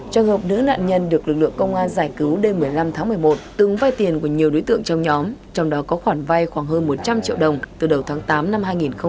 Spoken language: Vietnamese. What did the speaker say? trong hợp nữ nạn nhân được lực lượng công an giải cứu đêm một mươi năm tháng một mươi một từng vai tiền của nhiều đối tượng trong nhóm trong đó có khoản vay khoảng hơn một trăm linh triệu đồng từ đầu tháng tám năm hai nghìn hai mươi ba